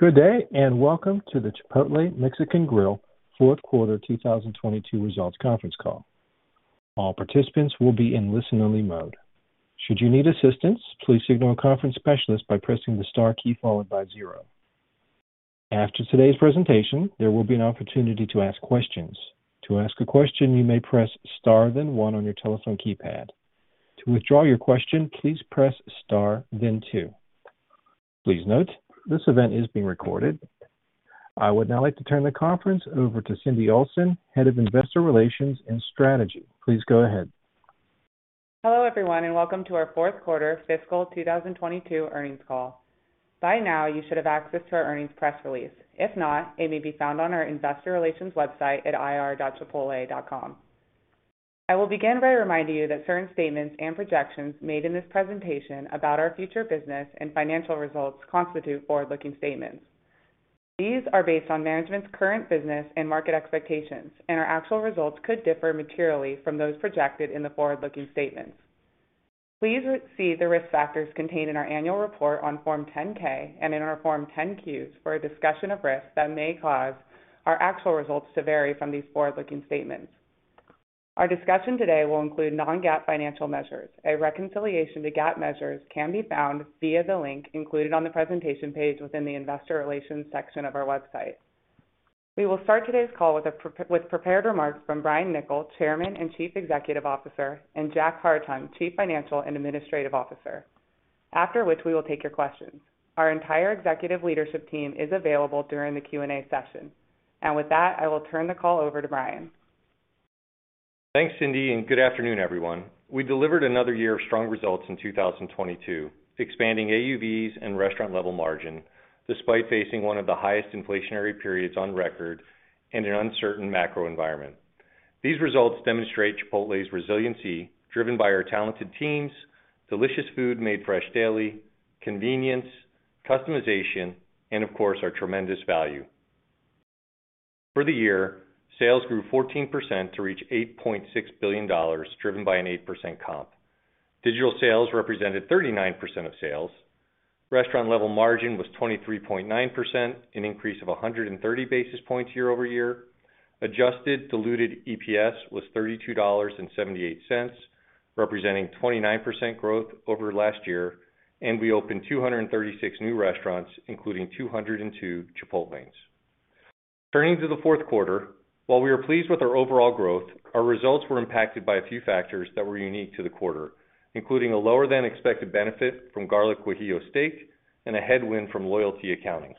Good day, welcome to the Chipotle Mexican Grill Q4 2022 results conference call. All participants will be in listen-only mode. Should you need assistance, please signal a conference specialist by pressing the star key followed by zero. After today's presentation, there will be an opportunity to ask questions. To ask a question, you may press star then one on your telephone keypad. To withdraw your question, please press star then two. Please note, this event is being recorded. I would now like to turn the conference over to Cindy Olsen, Head of Investor Relations and Strategy. Please go ahead. Hello, everyone, welcome to our Q4 fiscal 2022 earnings call. By now, you should have access to our earnings press release. If not, it may be found on our investor relations website at ir.chipotle.com. I will begin by reminding you that certain statements and projections made in this presentation about our future business and financial results constitute forward-looking statements. These are based on management's current business and market expectations, our actual results could differ materially from those projected in the forward-looking statements. Please re-see the risk factors contained in our annual report on Form 10-K and in our Form 10-Qs for a discussion of risks that may cause our actual results to vary from these forward-looking statements. Our discussion today will include non-GAAP financial measures. A reconciliation to GAAP measures can be found via the link included on the presentation page within the investor relations section of our website. We will start today's call with prepared remarks from Brian Niccol, Chairman and Chief Executive Officer, and Jack Hartung, Chief Financial and Administrative Officer, after which we will take your questions. Our entire executive leadership team is available during the Q&A session. With that, I will turn the call over to Brian. Thanks, Cindy. Good afternoon, everyone. We delivered another year of strong results in 2022, expanding AUVs and restaurant level margin despite facing one of the highest inflationary periods on record and an uncertain macro environment. These results demonstrate Chipotle's resiliency, driven by our talented teams, delicious food made fresh daily, convenience, customization, and of course, our tremendous value. For the year, sales grew 14% to reach $8.6 billion, driven by an 8% comp. Digital sales represented 39% of sales. Restaurant level margin was 23.9%, an increase of 130 basis points year-over-year. Adjusted diluted EPS was $32.78, representing 29% growth over last year. We opened 236 new restaurants, including 202 Chipotlanes. Turning to the Q4, while we were pleased with our overall growth, our results were impacted by a few factors that were unique to the quarter, including a lower-than-expected benefit from Garlic Guajillo Steak and a headwind from loyalty accounting.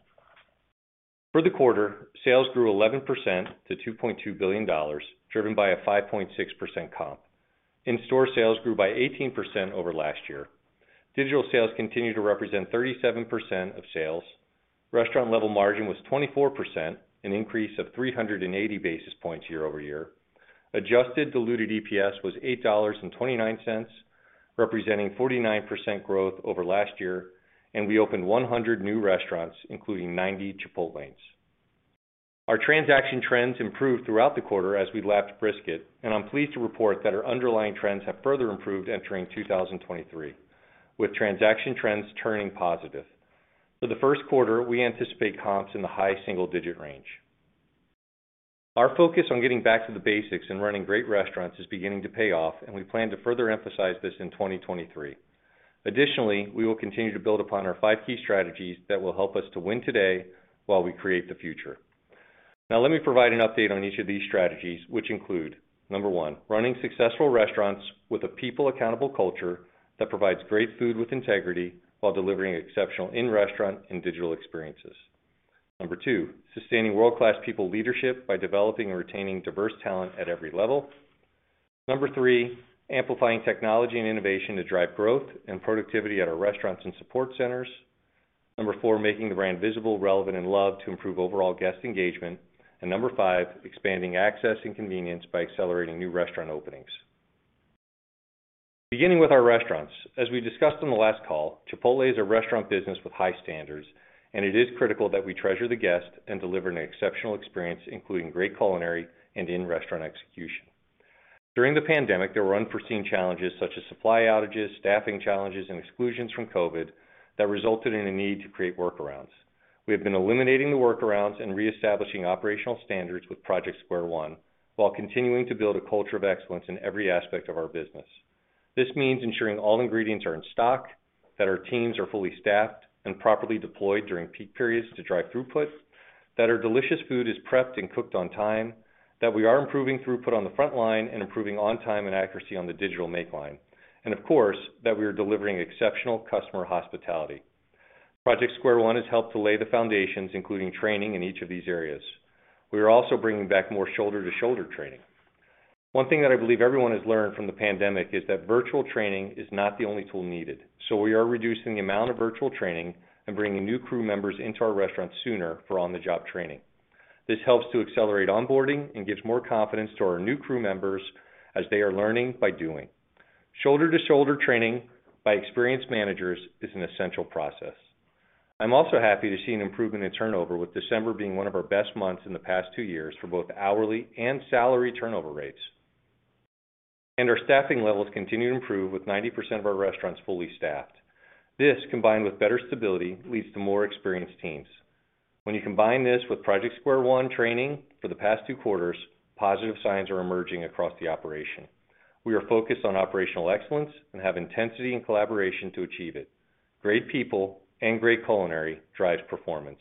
For the quarter, sales grew 11% to $2.2 billion, driven by a 5.6% comp. In-store sales grew by 18% over last year. Digital sales continued to represent 37% of sales. Restaurant level margin was 24%, an increase of 380 basis points year-over-year. Adjusted diluted EPS was $8.29, representing 49% growth over last year. We opened 100 new restaurants, including 90 Chipotlanes. Our transaction trends improved throughout the quarter as we lapped brisket, and I'm pleased to report that our underlying trends have further improved entering 2023, with transaction trends turning positive. For the Q1, we anticipate comps in the high single-digit range. Our focus on getting back to the basics and running great restaurants is beginning to pay off, and we plan to further emphasize this in 2023. Additionally, we will continue to build upon our five key strategies that will help us to win today while we create the future. Now, let me provide an update on each of these strategies, which include, Number one, running successful restaurants with a people accountable culture that provides great food with integrity while delivering exceptional in-restaurant and digital experiences. Number two, sustaining world-class people leadership by developing and retaining diverse talent at every level. Number three, amplifying technology and innovation to drive growth and productivity at our restaurants and support centers. Number four, making the brand visible, relevant and loved to improve overall guest engagement. Number five, expanding access and convenience by accelerating new restaurant openings. Beginning with our restaurants, as we discussed on the last call, Chipotle is a restaurant business with high standards, and it is critical that we treasure the guest and deliver an exceptional experience, including great culinary and in-restaurant execution. During the pandemic, there were unforeseen challenges such as supply outages, staffing challenges, and exclusions from COVID that resulted in a need to create workarounds. We have been eliminating the workarounds and reestablishing operational standards with Project Square One, while continuing to build a culture of excellence in every aspect of our business. This means ensuring all ingredients are in stock, that our teams are fully staffed and properly deployed during peak periods to drive throughput, that our delicious food is prepped and cooked on time, that we are improving throughput on the front line and improving on time and accuracy on the digital make line. Of course, that we are delivering exceptional customer hospitality. Project Square One has helped to lay the foundations, including training in each of these areas. We are also bringing back more shoulder-to-shoulder training. One thing that I believe everyone has learned from the pandemic is that virtual training is not the only tool needed. We are reducing the amount of virtual training and bringing new crew members into our restaurant sooner for on-the-job training. This helps to accelerate onboarding and gives more confidence to our new crew members as they are learning by doing. Shoulder-to-shoulder training by experienced managers is an essential process. I'm also happy to see an improvement in turnover, with December being one of our best months in the past two years for both hourly and salary turnover rates. Our staffing levels continue to improve with 90% of our restaurants fully staffed. This, combined with better stability, leads to more experienced teams. When you combine this with Project Square One training for the past two quarters, positive signs are emerging across the operation. We are focused on operational excellence and have intensity and collaboration to achieve it. Great people and great culinary drives performance.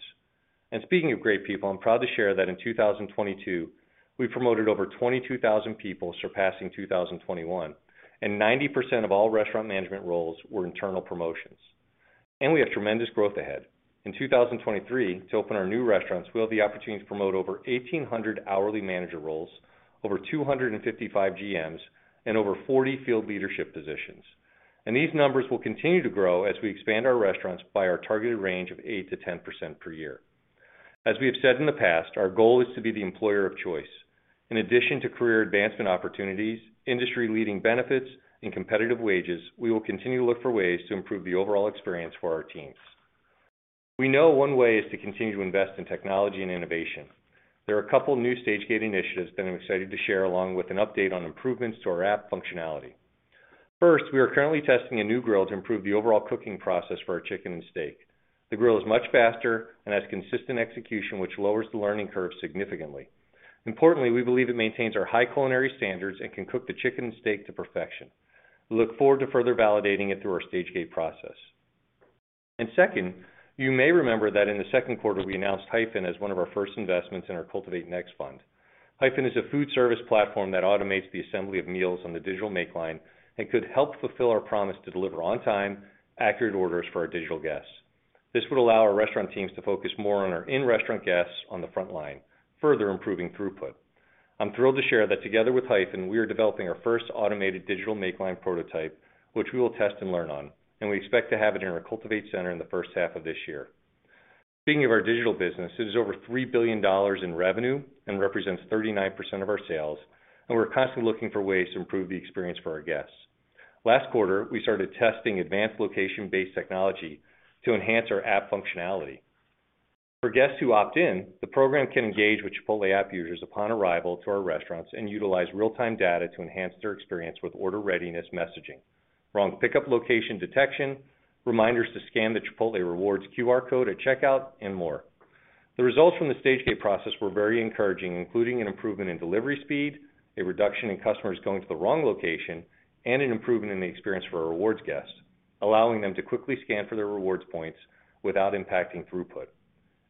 Speaking of great people, I'm proud to share that in 2022, we promoted over 22,000 people, surpassing 2021, and 90% of all restaurant management roles were internal promotions. We have tremendous growth ahead. In 2023, to open our new restaurants, we'll have the opportunity to promote over 1,800 hourly manager roles, over 255 GMs, and over 40 field leadership positions. These numbers will continue to grow as we expand our restaurants by our targeted range of 8%-10% per year. As we have said in the past, our goal is to be the employer of choice. In addition to career advancement opportunities, industry-leading benefits and competitive wages, we will continue to look for ways to improve the overall experience for our teams. We know one way is to continue to invest in technology and innovation. There are a couple of new stage gate initiatives that I'm excited to share, along with an update on improvements to our app functionality. First, we are currently testing a new grill to improve the overall cooking process for our chicken and steak. The grill is much faster and has consistent execution, which lowers the learning curve significantly. Importantly, we believe it maintains our high culinary standards and can cook the chicken and steak to perfection. We look forward to further validating it through our stage gate process. Second, you may remember that in the Q2, we announced Hyphen as one of our first investments in our Cultivate Next fund. Hyphen is a food service platform that automates the assembly of meals on the digital make line and could help fulfill our promise to deliver on time, accurate orders for our digital guests. This would allow our restaurant teams to focus more on our in-restaurant guests on the front line, further improving throughput. I'm thrilled to share that together with Hyphen, we are developing our first automated digital make line prototype, which we will test and learn on. We expect to have it in our Cultivate Center in the first half of this year. Speaking of our digital business, it is over $3 billion in revenue and represents 39% of our sales. We're constantly looking for ways to improve the experience for our guests. Last quarter, we started testing advanced location-based technology to enhance our app functionality. For guests who opt in, the program can engage with Chipotle app users upon arrival to our restaurants and utilize real-time data to enhance their experience with order readiness messaging, wrong pickup location detection, reminders to scan the Chipotle Rewards QR code at checkout, and more. The results from the stage gate process were very encouraging, including an improvement in delivery speed, a reduction in customers going to the wrong location, and an improvement in the experience for our Rewards guests, allowing them to quickly scan for their Rewards points without impacting throughput.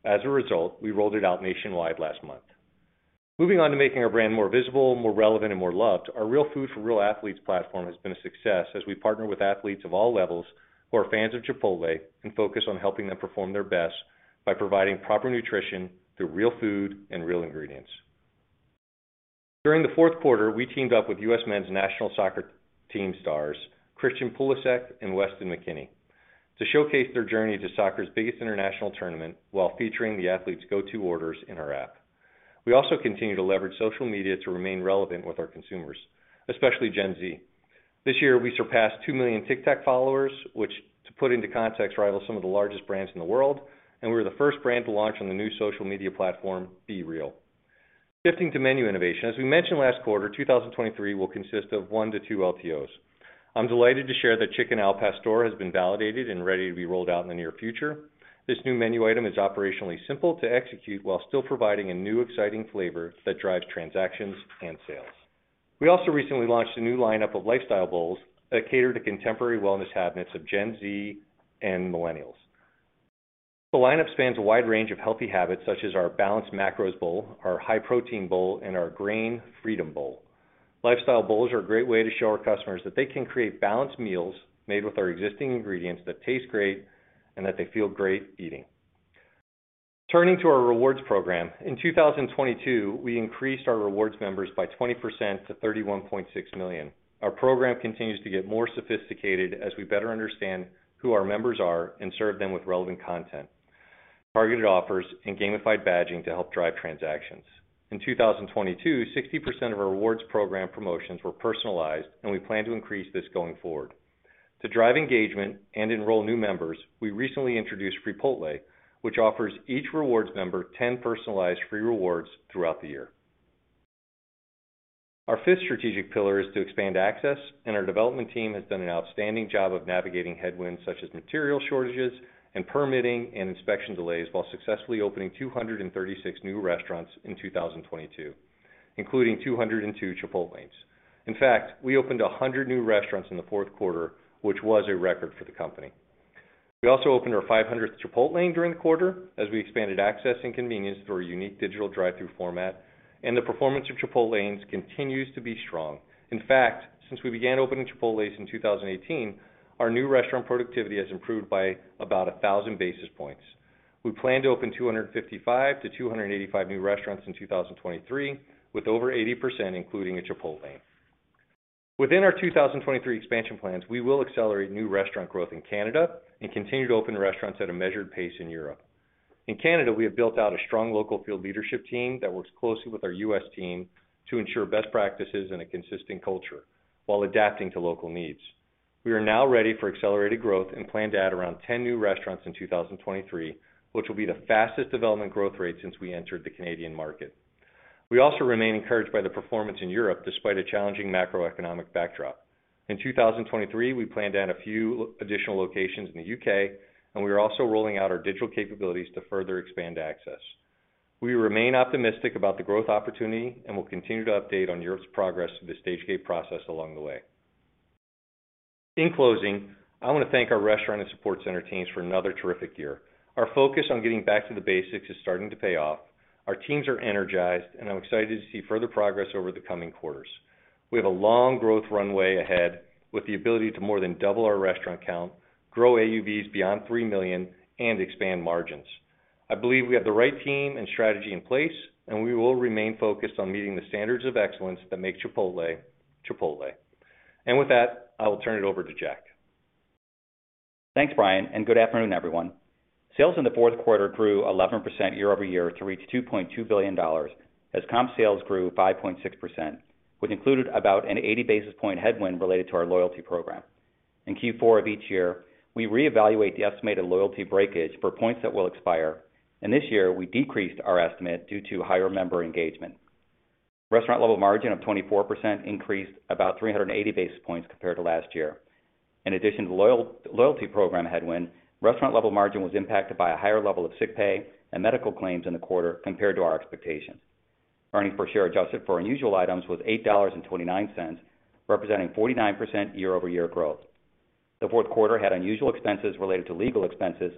As a result, we rolled it out nationwide last month. Moving on to making our brand more visible, more relevant, and more loved, our Real Food for Real Athletes platform has been a success as we partner with athletes of all levels who are fans of Chipotle and focus on helping them perform their best by providing proper nutrition through real food and real ingredients. During the Q4, we teamed up with U.S. Men's National Soccer Team stars, Christian Pulisic and Weston McKennie, to showcase their journey to soccer's biggest international tournament while featuring the athletes go-to orders in our app. We also continue to leverage social media to remain relevant with our consumers, especially Gen Z. This year, we surpassed two million TikTok followers, which to put into context, rivals some of the largest brands in the world, and we were the first brand to launch on the new social media platform, BeReal. Shifting to menu innovation. As we mentioned last quarter, 2023 will consist of one to two LTOs. I'm delighted to share that Chicken al Pastor has been validated and ready to be rolled out in the near future. This new menu item is operationally simple to execute while still providing a new exciting flavor that drives transactions and sales. We also recently launched a new lineup of Lifestyle Bowls that cater to contemporary wellness habits of Gen Z and millennials. The lineup spans a wide range of healthy habits, such as our Balanced Macros Bowl, our High Protein Bowl, and our Grain Freedom Bowl. Lifestyle Bowls are a great way to show our customers that they can create balanced meals made with our existing ingredients that taste great and that they feel great eating. Turning to our Rewards program. In 2022, we increased our Rewards members by 20% to 31.6 million. Our program continues to get more sophisticated as we better understand who our members are and serve them with relevant content, targeted offers, and gamified badging to help drive transactions. In 2022, 60% of our Rewards program promotions were personalized, and we plan to increase this going forward. To drive engagement and enroll new members, we recently introduced Freepotle, which offers each rewards member 10 personalized free rewards throughout the year. Our development team has done an outstanding job of navigating headwinds such as material shortages and permitting and inspection delays while successfully opening 236 new restaurants in 2022, including 202 Chipotlanes. In fact, we opened 100 new restaurants in the Q4, which was a record for the company. We also opened our 500th Chipotlane during the quarter as we expanded access and convenience through our unique digital drive-through format. The performance of Chipotlanes continues to be strong. In fact, since we began opening Chipotlanes in 2018, our new restaurant productivity has improved by about 1,000 basis points. We plan to open 255 to 285 new restaurants in 2023, with over 80% including a Chipotlane. Within our 2023 expansion plans, we will accelerate new restaurant growth in Canada and continue to open restaurants at a measured pace in Europe. In Canada, we have built out a strong local field leadership team that works closely with our U.S. team to ensure best practices and a consistent culture while adapting to local needs. We are now ready for accelerated growth and plan to add around 10 new restaurants in 2023, which will be the fastest development growth rate since we entered the Canadian market. We also remain encouraged by the performance in Europe, despite a challenging macroeconomic backdrop. In 2023, we plan to add a few additional locations in the U.K. We are also rolling out our digital capabilities to further expand access. We remain optimistic about the growth opportunity. We'll continue to update on Europe's progress through the stage gate process along the way. In closing, I want to thank our restaurant and support center teams for another terrific year. Our focus on getting back to the basics is starting to pay off. Our teams are energized. I'm excited to see further progress over the coming quarters. We have a long growth runway ahead, with the ability to more than double our restaurant count, grow AUVs beyond $3 million, and expand margins. I believe we have the right team and strategy in place. We will remain focused on meeting the standards of excellence that make Chipotle. With that, I will turn it over to Jack. Thanks, Brian, and good afternoon, everyone. Sales in the Q4 grew 11% year-over-year to reach $2.2 billion. Comp sales grew 5.6%, which included about an 80 basis point headwind related to our loyalty program. In Q4 of each year, we reevaluate the estimated loyalty breakage for points that will expire, and this year we decreased our estimate due to higher member engagement. Restaurant level margin of 24% increased about 380 basis points compared to last year. In addition to loyalty program headwind, restaurant level margin was impacted by a higher level of sick pay and medical claims in the quarter compared to our expectations. Earnings per share, adjusted for unusual items was $8.29, representing 49% year-over-year growth. The Q4 had unusual expenses related to legal expenses,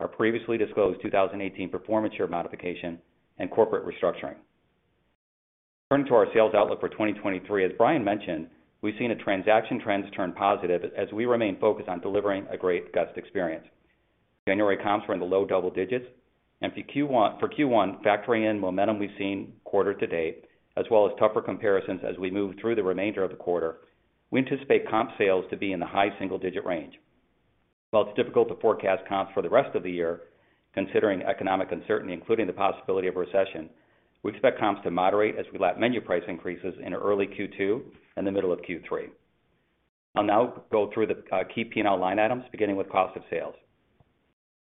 our previously disclosed 2018 performance share modification and corporate restructuring. Turning to our sales outlook for 2023, as Brian mentioned, we've seen a transaction trends turn positive as we remain focused on delivering a great guest experience. January comps were in the low double digits. For Q1, factoring in momentum we've seen quarter to date, as well as tougher comparisons as we move through the remainder of the quarter, we anticipate comp sales to be in the high single-digit range. While it's difficult to forecast comps for the rest of the year, considering economic uncertainty, including the possibility of recession, we expect comps to moderate as we lap menu price increases in early Q2 and the middle of Q3. I'll now go through the key P&L line items, beginning with cost of sales.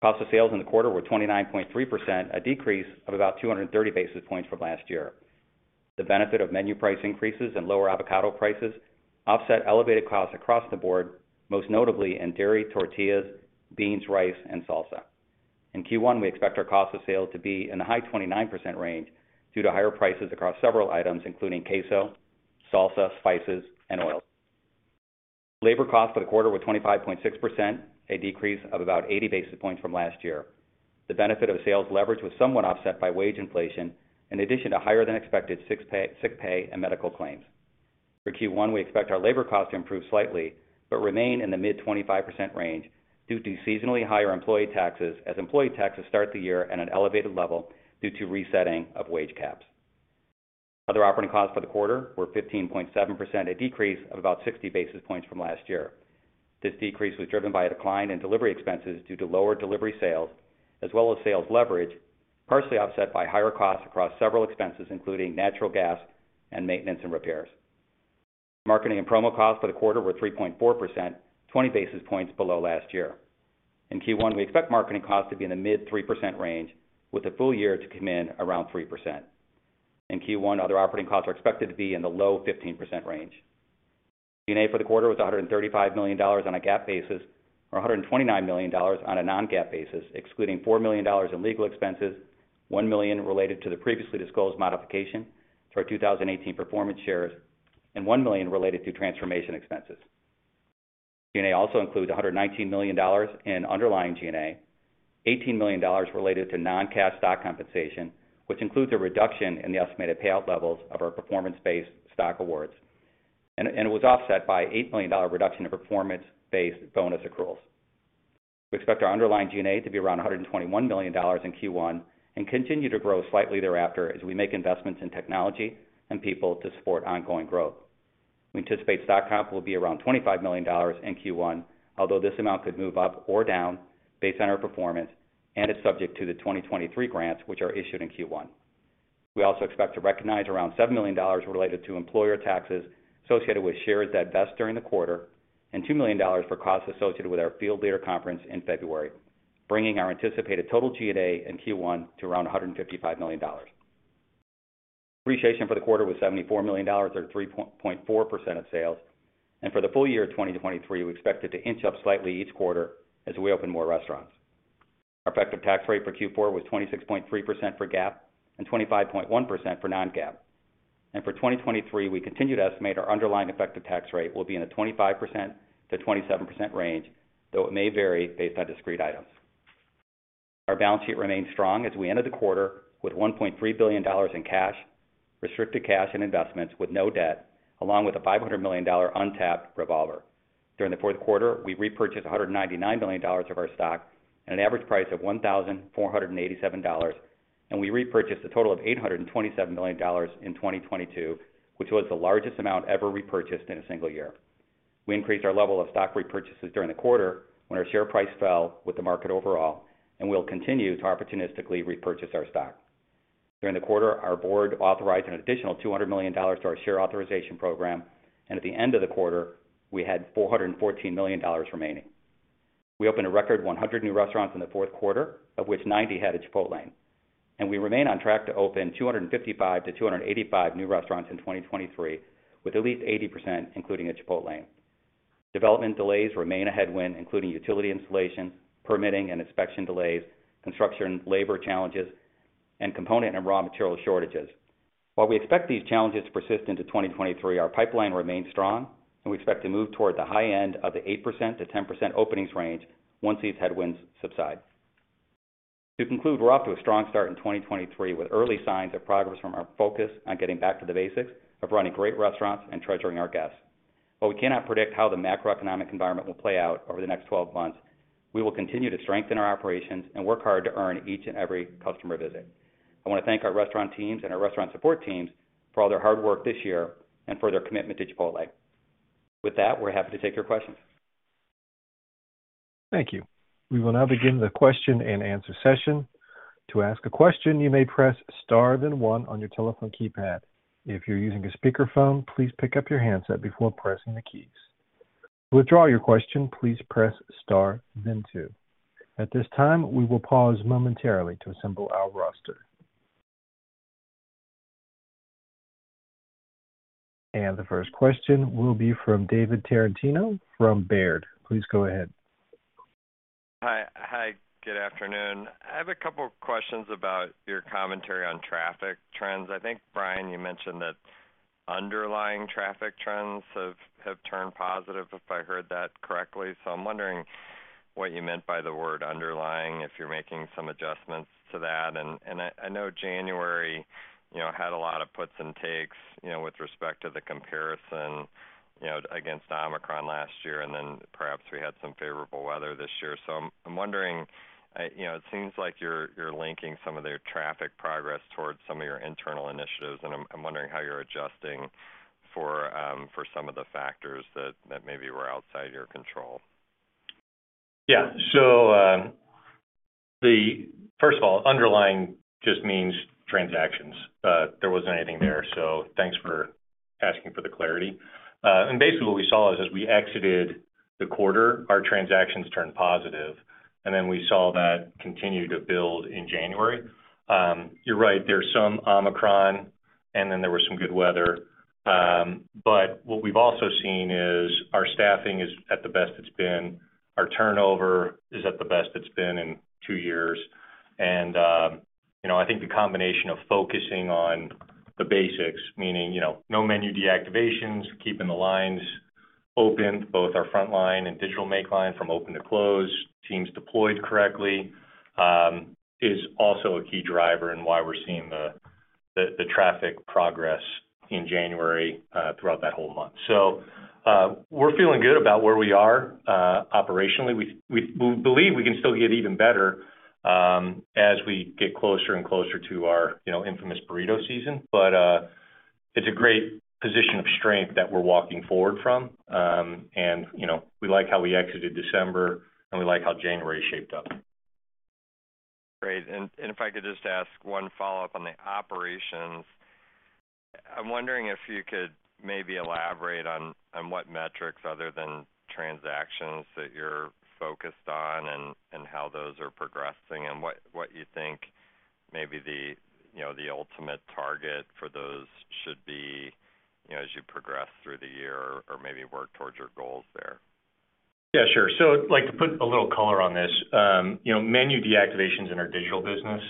Cost of sales in the quarter were 29.3%, a decrease of about 230 basis points from last year. The benefit of menu price increases and lower avocado prices offset elevated costs across the board, most notably in dairy, tortillas, beans, rice, and salsa. In Q1, we expect our cost of sales to be in the high 29% range due to higher prices across several items, including queso, salsa, spices, and oils. Labor costs for the quarter were 25.6%, a decrease of about 80 basis points from last year. The benefit of sales leverage was somewhat offset by wage inflation, in addition to higher than expected sick pay and medical claims. For Q1, we expect our labor costs to improve slightly, but remain in the mid 25% range due to seasonally higher employee taxes, as employee taxes start the year at an elevated level due to resetting of wage caps. Other operating costs for the quarter were 15.7%, a decrease of about 60 basis points from last year. This decrease was driven by a decline in delivery expenses due to lower delivery sales, as well as sales leverage, partially offset by higher costs across several expenses, including natural gas and maintenance and repairs. Marketing and promo costs for the quarter were 3.4%, 20 basis points below last year. In Q1, we expect marketing costs to be in the mid 3% range, with the full year to come in around 3%. In Q1, other operating costs are expected to be in the low 15% range. G&A for the quarter was $135 million on a GAAP basis, or $129 million on a non-GAAP basis, excluding $4 million in legal expenses, $1 million related to the previously disclosed modification to our 2018 performance shares, and $1 million related to transformation expenses. G&A also includes $119 million in underlying G&A, $18 million related to non-cash stock compensation, which includes a reduction in the estimated payout levels of our performance-based stock awards, and was offset by $8 million reduction in performance-based bonus accruals. We expect our underlying G&A to be around $121 million in Q1 and continue to grow slightly thereafter as we make investments in technology and people to support ongoing growth. We anticipate stock comp will be around $25 million in Q1, although this amount could move up or down based on our performance and is subject to the 2023 grants, which are issued in Q1. We also expect to recognize around $7 million related to employer taxes associated with shares that vest during the quarter and $2 million for costs associated with our field leader conference in February, bringing our anticipated total G&A in Q1 to around $155 million. Depreciation for the quarter was $74 million, or 3.4% of sales. For the full year 2023, we expect it to inch up slightly each quarter as we open more restaurants. Our effective tax rate for Q4 was 26.3% for GAAP and 25.1% for non-GAAP. For 2023, we continue to estimate our underlying effective tax rate will be in the 25%-27% range, though it may vary based on discrete items. Our balance sheet remains strong as we ended the quarter with $1.3 billion in cash, restricted cash and investments with no debt, along with a $500 million untapped revolver. During the Q4, we repurchased $199 million of our stock at an average price of $1,487. We repurchased a total of $827 million in 2022, which was the largest amount ever repurchased in a single year. We increased our level of stock repurchases during the quarter when our share price fell with the market overall. We'll continue to opportunistically repurchase our stock. During the quarter, our board authorized an additional $200 million to our share authorization program, and at the end of the quarter, we had $414 million remaining. We opened a record 100 new restaurants in the Q4, of which 90 had a Chipotlane. We remain on track to open 255-285 new restaurants in 2023, with at least 80% including a Chipotlane. Development delays remain a headwind, including utility installation, permitting and inspection delays, construction and labor challenges, and component and raw material shortages. While we expect these challenges to persist into 2023, our pipeline remains strong and we expect to move toward the high end of the 8%-10% openings range once these headwinds subside. To conclude, we're off to a strong start in 2023 with early signs of progress from our focus on getting back to the basics of running great restaurants and treasuring our guests. While we cannot predict how the macroeconomic environment will play out over the next 12 months, we will continue to strengthen our operations and work hard to earn each and every customer visit. I want to thank our restaurant teams and our restaurant support teams for all their hard work this year and for their commitment to Chipotle. With that, we're happy to take your questions. Thank you. We will now begin the question and answer session. To ask a question, you may press star then one on your telephone keypad. If you're using a speakerphone, please pick up your handset before pressing the keys. To withdraw your question, please press star then two. At this time, we will pause momentarily to assemble our roster. The first question will be from David Tarantino from Baird. Please go ahead. Hi. Good afternoon. I have a couple of questions about your commentary on traffic trends. I think, Brian, you mentioned that underlying traffic trends have turned positive, if I heard that correctly. I'm wondering what you meant by the word underlying, if you're making some adjustments to that. I know January, you know, had a lot of puts and takes, you know, with respect to the comparison, you know, against Omicron last year, and then perhaps we had some favorable weather this year. I'm wondering, you know, it seems like you're linking some of their traffic progress towards some of your internal initiatives, and I'm wondering how you're adjusting for some of the factors that maybe were outside your control. Yeah. First of all, underlying just means transactions. There wasn't anything there, thanks for asking for the clarity. Basically what we saw is as we exited the quarter, our transactions turned positive, we saw that continue to build in January. You're right, there's some Omicron, there was some good weather. What we've also seen is our staffing is at the best it's been. Our turnover is at the best it's been in two years. You know, I think the combination of focusing on the basics, meaning, you know, no menu deactivations, keeping the lines open, both our front line and digital make line from open to close, teams deployed correctly, is also a key driver in why we're seeing the traffic progress in January throughout that whole month. We're feeling good about where we are, operationally. We believe we can still get even better, as we get closer and closer to our, you know, infamous burrito season. It's a great position of strength that we're walking forward from. We like how we exited December, and we like how January shaped up. Great. If I could just ask one follow-up on the operations. I'm wondering if you could maybe elaborate on what metrics other than transactions that you're focused on and how those are progressing and what you think maybe the, you know, ultimate target for those should be, you know, as you progress through the year or maybe work towards your goals there. Like, to put a little color on this, you know, menu deactivations in our digital business.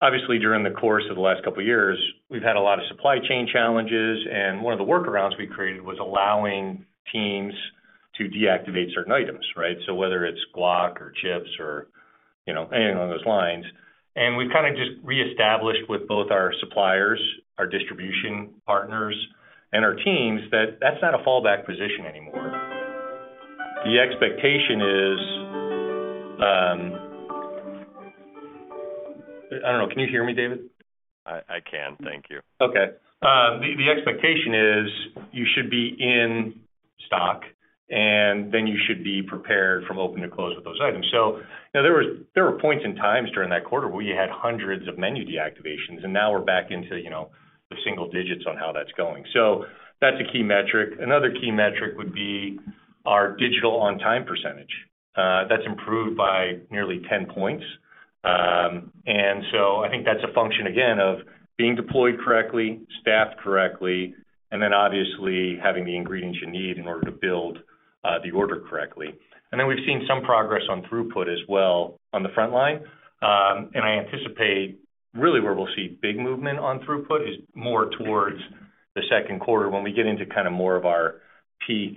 Obviously, during the course of the last two years, we've had a lot of supply chain challenges, one of the workarounds we created was allowing teams to deactivate certain items, right? Whether it's guac or chips or, you know, anything on those lines. We've kind of just reestablished with both our suppliers, our distribution partners, and our teams that that's not a fallback position anymore. The expectation is. I don't know. Can you hear me, David? I can. Thank you. Okay. The expectation is you should be in stock, and then you should be prepared from open to close with those items. You know, there were points and times during that quarter where we had hundreds of menu deactivations, and now we're back into, you know, the single digits on how that's going. That's a key metric. Another key metric would be our digital on-time percentage. That's improved by nearly 10 points. I think that's a function, again, of being deployed correctly, staffed correctly, and then obviously having the ingredients you need in order to build the order correctly. We've seen some progress on throughput as well on the front line. I anticipate really where we'll see big movement on throughput is more towards the Q2 when we get into kind of more of our peak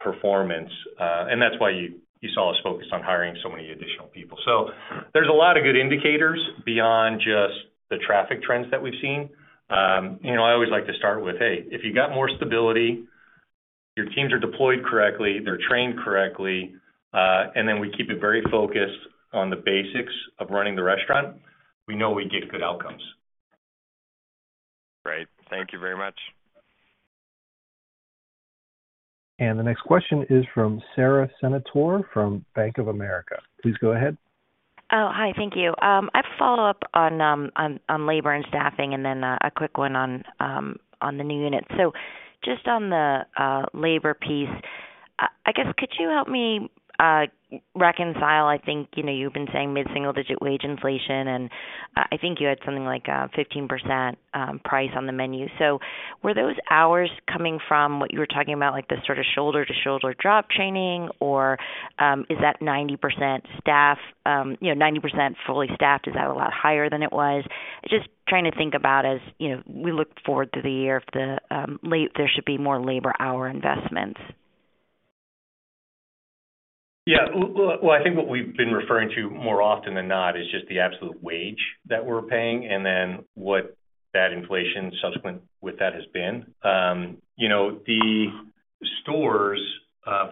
performance. That's why you saw us focused on hiring so many additional people. There's a lot of good indicators beyond just the traffic trends that we've seen. You know, I always like to start with, hey, if you got more stability, your teams are deployed correctly, they're trained correctly, and then we keep it very focused on the basics of running the restaurant, we know we get good outcomes. Great. Thank you very much. The next question is from Sara Senatore from Bank of America. Please go ahead. Hi. Thank you. I have a follow-up on labor and staffing, a quick one on the new unit. Just on the labor piece, I guess could you help me reconcile I think, you know, you've been saying mid-single-digit wage inflation, and I think you had something like 15% price on the menu. Were those hours coming from what you were talking about, like, the sort of shoulder-to-shoulder job training or is that 90% staff, you know, 90% fully staffed? Is that a lot higher than it was? Just trying to think about as, you know, we look forward to the year if there should be more labor-hour investments. Yeah. Well, I think what we've been referring to more often than not is just the absolute wage that we're paying and then what that inflation subsequent with that has been. You know, the stores,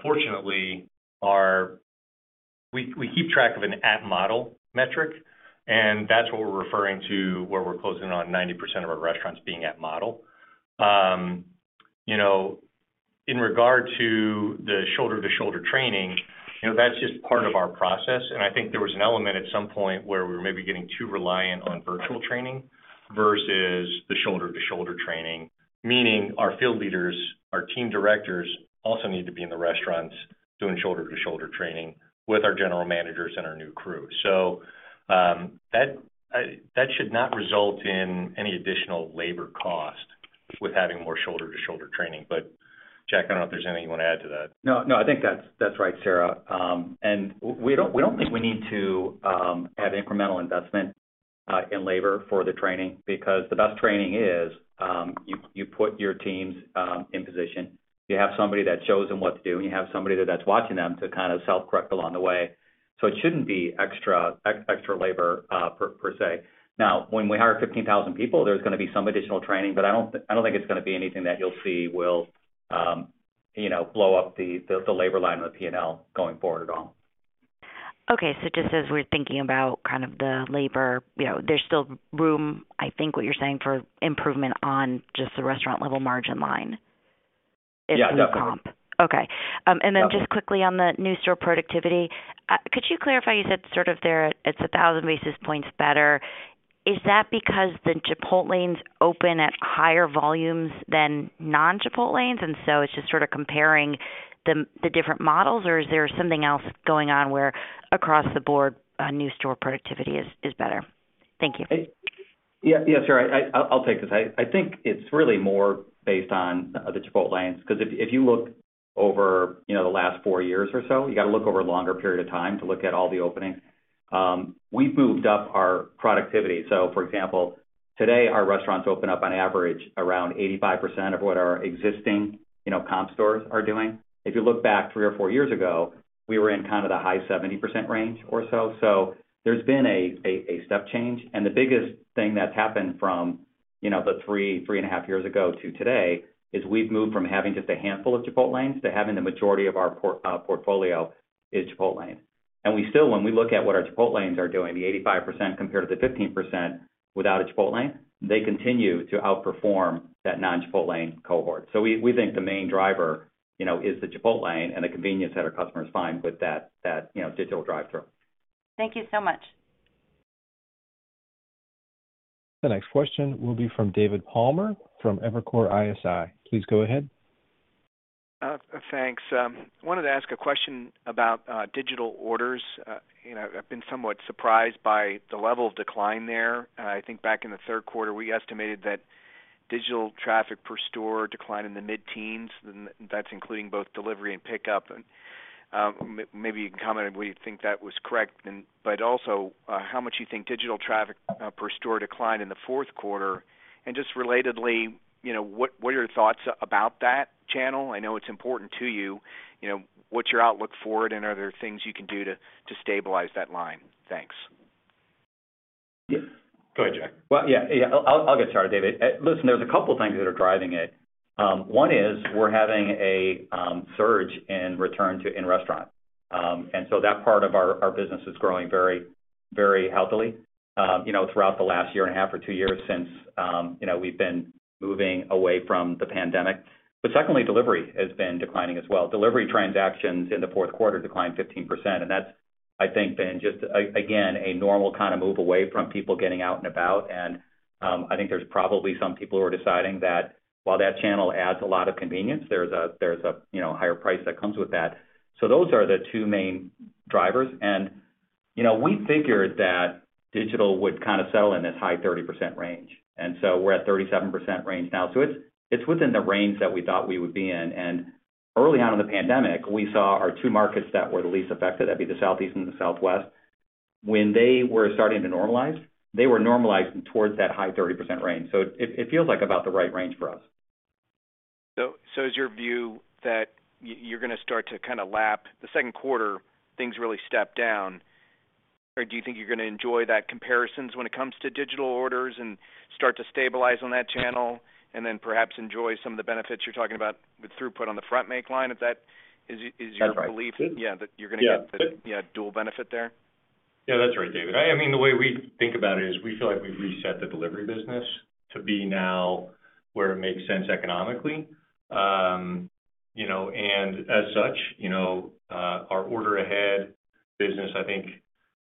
fortunately are... We keep track of an at model metric, and that's what we're referring to, where we're closing on 90% of our restaurants being at model. You know, in regard to the shoulder-to-shoulder training, you know, that's just part of our process. I think there was an element at some point where we were maybe getting too reliant on virtual training versus the shoulder-to-shoulder training, meaning our field leaders, our team directors also need to be in the restaurants doing shoulder-to-shoulder training with our general managers and our new crew. That should not result in any additional labor cost with having more shoulder-to-shoulder training. Jack, I don't know if there's anything you want to add to that? No, I think that's right, Sara. We don't think we need to add incremental investment in labor for the training because the best training is, you put your teams in position. You have somebody that shows them what to do, and you have somebody that's watching them to kind of self-correct along the way. It shouldn't be extra labor per se. When we hire 15,000 people, there's gonna be some additional training, I don't think it's gonna be anything that you'll see will, you know, blow up the labor line or the P&L going forward at all. Okay. just as we're thinking about kind of the labor, you know, there's still room, I think what you're saying, for improvement on just the restaurant level margin line... Yeah, definitely. if you comp. Okay. Yeah. Just quickly on the new store productivity, could you clarify, you said sort of there it's 1,000 basis points better. Is that because the Chipotlanes open at higher volumes than non-Chipotlanes, it's just sort of comparing the different models? Or is there something else going on where across the board, new store productivity is better? Thank you. Yeah, yeah, Sara, I'll take this. I think it's really more based on the Chipotlanes, 'cause if you look over, you know, the last four years or so, you gotta look over a longer period of time to look at all the openings. We've moved up our productivity. For example, today, our restaurants open up on average around 85% of what our existing, you know, comp stores are doing. If you look back three or four years ago, we were in kind of the high 70% range or so. There's been a step change. The biggest thing that's happened from, you know, three and a half years ago to today is we've moved from having just a handful of Chipotlanes to having the majority of our portfolio is Chipotlane. We still, when we look at what our Chipotlanes are doing, the 85% compared to the 15% without a Chipotlane, they continue to outperform that non-Chipotlane cohort. We think the main driver, you know, is the Chipotlane and the convenience that our customers find with that, you know, digital drive-thru. Thank you so much. The next question will be from David Palmer from Evercore ISI. Please go ahead. Thanks. Wanted to ask a question about digital orders. You know, I've been somewhat surprised by the level of decline there. I think back in the Q3, we estimated that digital traffic per store declined in the mid-teens. That's including both delivery and pickup. Maybe you can comment on whether you think that was correct. Also, how much you think digital traffic per store declined in the Q4. Just relatedly, you know, what are your thoughts about that channel? I know it's important to you. You know, what's your outlook for it, and are there things you can do to stabilize that line? Thanks. Yeah. Go ahead, Jack. Well, yeah, I'll get started, David. Listen, there's a couple things that are driving it. One is we're having a surge in return to in-restaurant. That part of our business is growing very, very healthily, you know, throughout the last year and a half or two years since, you know, we've been moving away from the pandemic. Secondly, delivery has been declining as well. Delivery transactions in the Q4 declined 15%, and that's, I think, been just again, a normal kind of move away from people getting out and about. I think there's probably some people who are deciding that while that channel adds a lot of convenience, there's a, you know, higher price that comes with that. Those are the two main drivers. You know, we figured that digital would kind of settle in this high 30% range. We're at 37% range now. It's, it's within the range that we thought we would be in. Early on in the pandemic, we saw our two markets that were the least affected, that'd be the Southeast and the Southwest. When they were starting to normalize, they were normalizing towards that high 30% range. It, it feels like about the right range for us. Is your view that you're gonna start to kinda lap the Q2, things really step down? Or do you think you're gonna enjoy that comparisons when it comes to digital orders and start to stabilize on that channel and then perhaps enjoy some of the benefits you're talking about with throughput on the front make line? If that is your belief. That's right. yeah, that you're gonna get- Yeah. the dual benefit there? Yeah, that's right, David. I mean, the way we think about it is we feel like we've reset the delivery business to be now where it makes sense economically. You know, as such, you know, our order ahead business, I think,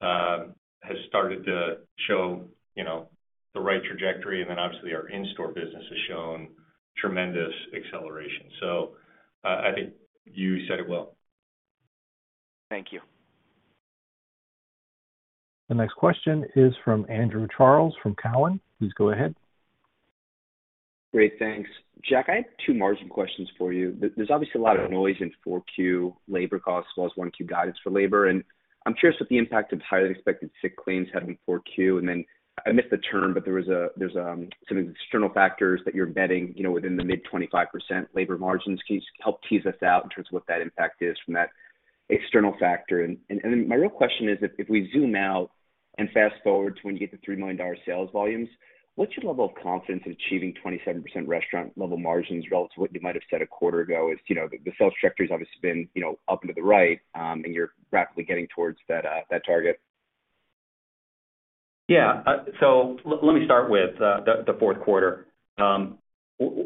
has started to show, you know, the right trajectory. Obviously our in-store business has shown tremendous acceleration. I think you said it well. Thank you. The next question is from Andrew Charles from Cowen. Please go ahead. Great. Thanks. Jack, I have two margin questions for you. There's obviously a lot of noise in four Q labor costs plus one Q guidance for labor. I'm curious what the impact of higher than expected sick claims had on four Q. I missed the term, but there's some external factors that you're embedding, you know, within the mid 25% labor margins. Can you just help tease us out in terms of what that impact is from that external factor? My real question is if we zoom out and fast-forward to when you get to $3 million sales volumes, what's your level of confidence in achieving 27% restaurant level margins relative to what you might have said a quarter ago? As you know, the sales trajectory has obviously been, you know, up and to the right. You're rapidly getting towards that target. Yeah. Let me start with the Q4.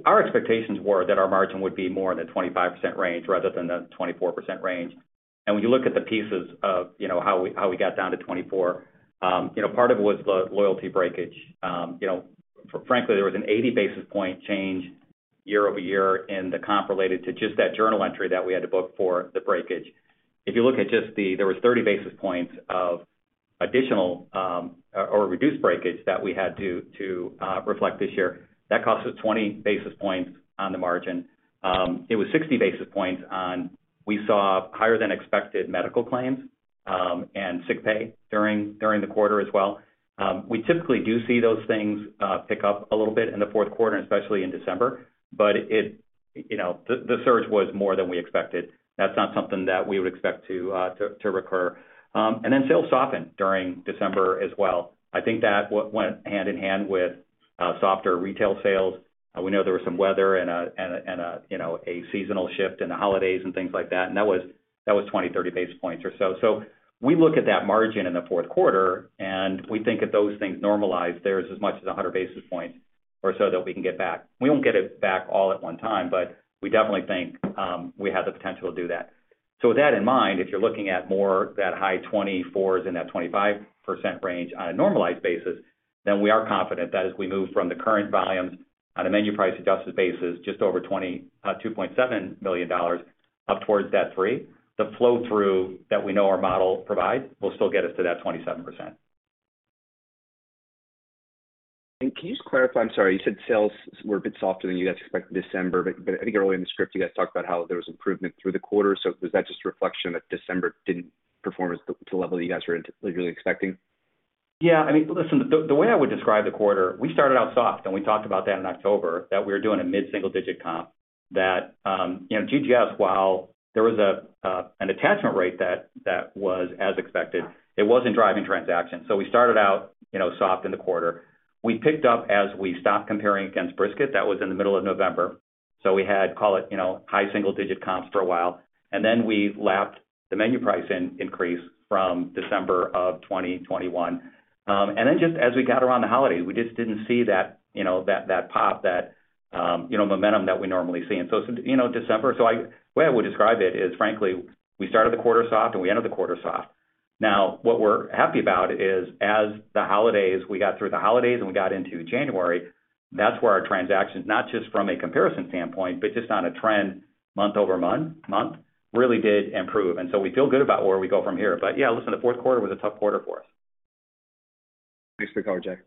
Our expectations were that our margin would be more in the 25% range rather than the 24% range. When you look at the pieces of, you know, how we, how we got down to 24, you know, part of it was the loyalty breakage. You know, frankly, there was an 80 basis point change year-over-year in the comp related to just that journal entry that we had to book for the breakage. If you look at just there was 30 basis points of additional, or reduced breakage that we had to reflect this year. That cost us 20 basis points on the margin. It was 60 basis points on we saw higher than expected medical claims, and sick pay during the quarter as well. We typically do see those things, pick up a little bit in the Q4, and especially in December, but you know, the surge was more than we expected. That's not something that we would expect to recur. Sales softened during December as well. I think that went hand in hand with softer retail sales. We know there was some weather and you know, a seasonal shift in the holidays and things like that, and that was 20-30 basis points or so. We look at that margin in the Q4, and we think if those things normalize, there is as much as 100 basis points or so that we can get back. We won't get it back all at one time, but we definitely think we have the potential to do that. With that in mind, if you're looking at more that high 24s and that 25% range on a normalized basis, then we are confident that as we move from the current volumes on a menu price adjusted basis, just over $2.7 million up towards that $3 million, the flow-through that we know our model provides will still get us to that 27%. Can you just clarify? I'm sorry, you said sales were a bit softer than you guys expected December, but I think early in the script you guys talked about how there was improvement through the quarter. Was that just a reflection that December didn't perform to the level you guys were really expecting? Yeah. I mean, listen, the way I would describe the quarter, we started out soft, and we talked about that in October, that we were doing a mid-single digit comp that, you know, GGS, while there was an attachment rate that was as expected, it wasn't driving transactions. We started out, you know, soft in the quarter. We picked up as we stopped comparing against brisket. That was in the middle of November. We had, call it, you know, high single digit comps for a while, and then we lapped the menu price increase from December of 2021. Just as we got around the holiday, we just didn't see that, you know, that pop, that, you know, momentum that we normally see. You know, the way I would describe it is, frankly, we started the quarter soft, and we ended the quarter soft. What we're happy about is as the holidays, we got through the holidays and we got into January, that's where our transactions, not just from a comparison standpoint, but just on a trend month-over-month, really did improve. We feel good about where we go from here. Yeah, listen, the Q4 was a tough quarter for us. Thanks for the call, Jack.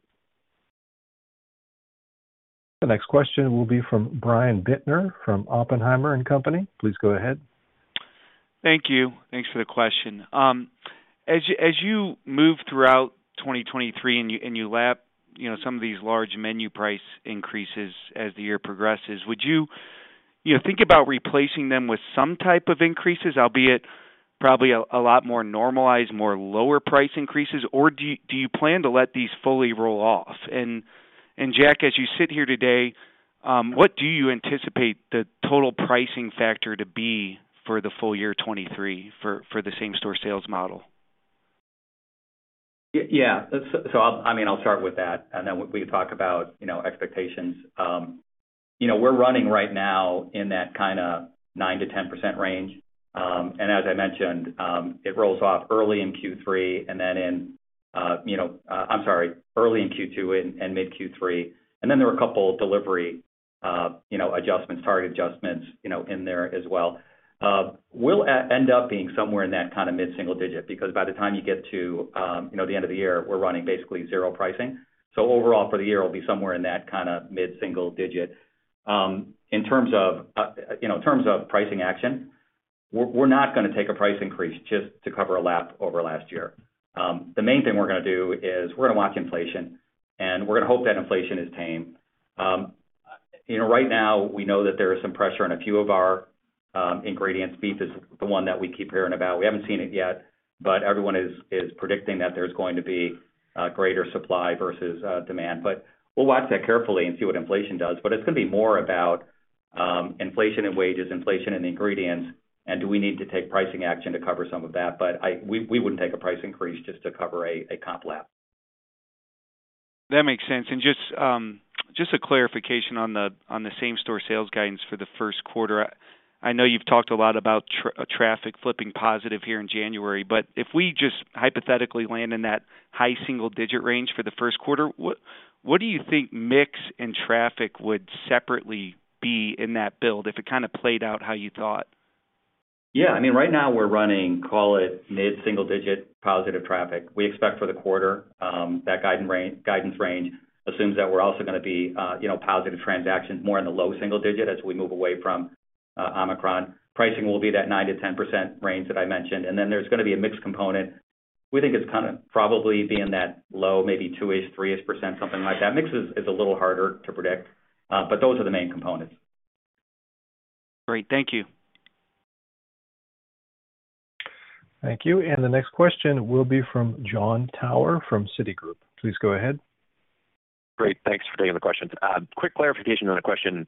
The next question will be from Brian Bittner from Oppenheimer & Co. Inc. Please go ahead. Thank you. Thanks for the question. As you move throughout 2023 and you lap, you know, some of these large menu price increases as the year progresses, would you know, think about replacing them with some type of increases, albeit probably a lot more normalized, more lower price increases, or do you plan to let these fully roll off? Jack, as you sit here today, what do you anticipate the total pricing factor to be for the full year 2023 for the same store sales model? Yeah. I mean, I'll start with that, and then we can talk about, you know, expectations. You know, we're running right now in that kind of 9%-10% range. As I mentioned, it rolls off early in Q3 and then in, you know, I'm sorry, early in Q2 and mid Q3. Then there were a couple delivery, you know, adjustments, target adjustments, you know, in there as well. We'll end up being somewhere in that kind of mid-single digit, because by the time you get to, you know, the end of the year, we're running basically 0 pricing. Overall for the year, it'll be somewhere in that kind of mid-single digit. In terms of, you know, in terms of pricing action, we're not gonna take a price increase just to cover a lap over last year. The main thing we're gonna do is we're gonna watch inflation, and we're gonna hope that inflation is tame. You know, right now we know that there is some pressure on a few of our ingredients. Beef is the one that we keep hearing about. We haven't seen it yet, but everyone is predicting that there's going to be greater supply versus demand. We'll watch that carefully and see what inflation does. It's gonna be more about Inflation in wages, inflation in ingredients, do we need to take pricing action to cover some of that? We wouldn't take a price increase just to cover a comp lap. That makes sense. Just, just a clarification on the, on the same-store sales guidance for the Q1. I know you've talked a lot about traffic flipping positive here in January, but if we just hypothetically land in that high single digit range for the Q1, what do you think mix and traffic would separately be in that build if it kind of played out how you thought? I mean, right now we're running, call it mid-single digit positive traffic. We expect for the quarter, that guidance range assumes that we're also gonna be, you know, positive transactions more in the low-single digit as we move away from Omicron. Pricing will be that 9%-10% range that I mentioned. There's gonna be a mix component. We think it's kind of probably be in that low, maybe 2%-3%, something like that. Mix is a little harder to predict. Those are the main components. Great. Thank you. Thank you. The next question will be from Jon Tower from Citigroup. Please go ahead. Great. Thanks for taking the question. Quick clarification on a question.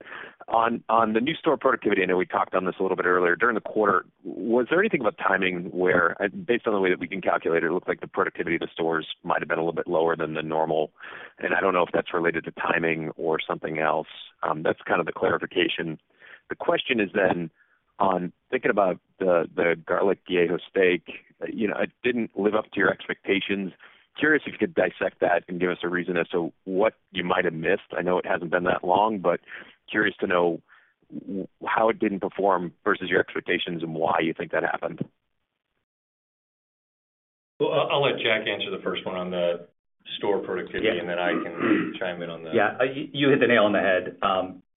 On the new store productivity, I know we talked on this a little bit earlier. During the quarter, was there anything about timing where, based on the way that we can calculate it looked like the productivity of the stores might have been a little bit lower than the normal. I don't know if that's related to timing or something else. That's kind of the clarification. The question is then on thinking about the Garlic Guajillo Steak. You know, it didn't live up to your expectations. Curious if you could dissect that and give us a reason as to what you might have missed. I know it hasn't been that long, but curious to know how it didn't perform versus your expectations and why you think that happened. Well, I'll let Jack answer the first one on the store productivity... Yeah. I can chime in on the. Yeah. You hit the nail on the head.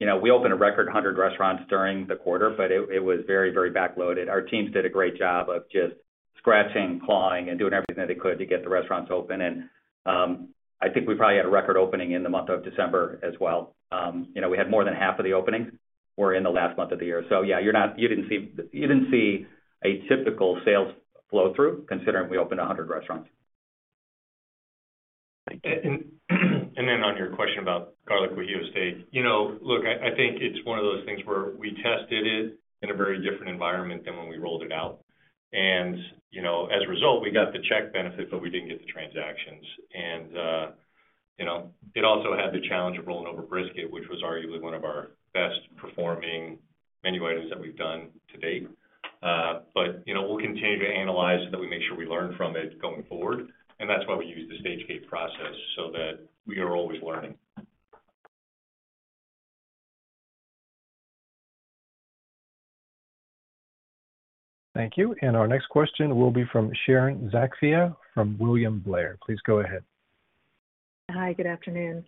You know, we opened a record 100 restaurants during the quarter, but it was very backloaded. Our teams did a great job of just scratching, clawing, and doing everything they could to get the restaurants open and, I think we probably had a record opening in the month of December as well. You know, we had more than half of the openings were in the last month of the year. Yeah, you didn't see a typical sales flow through considering we opened 100 restaurants. Thank you. On your question about Garlic Guajillo Steak. You know, look, I think it's one of those things where we tested it in a very different environment than when we rolled it out. You know, as a result, we got the check benefit, but we didn't get the transactions. You know, it also had the challenge of rolling over brisket, which was arguably one of our best performing menu items that we've done to date. You know, we'll continue to analyze so that we make sure we learn from it going forward, and that's why we use the stage gate process so that we are always learning. Thank you. Our next question will be from Sharon Zackfia from William Blair. Please go ahead. Hi, good afternoon.